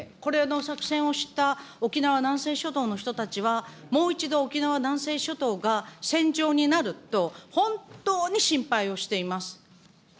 これの作戦を知った沖縄南西諸島の人たちは、もう一度、沖縄南西諸島が戦場になると、本当に心配をしています。